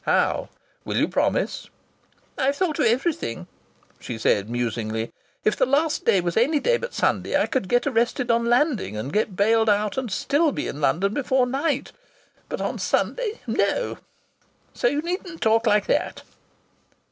How? Will you promise?" "I've thought of everything," she said musingly. "If the last day was any day but Sunday I could get arrested on landing and get bailed out and still be in London before night. But on Sunday no ! So you needn't talk like that."